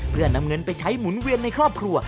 เพื่อนำเงินไปใช้หมุนเวียนในครอบครัว